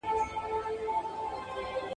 • په ښو پردي خپلېږي.